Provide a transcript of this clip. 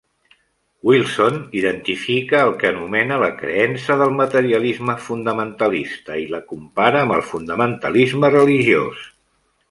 Wilson identifica el que anomena la creença del "materialisme fundamentalista" i la compara amb el fundamentalisme religiós.